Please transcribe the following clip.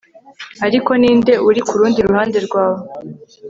Ariko ninde uri kurundi ruhande rwawe